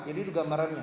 jadi itu gambarannya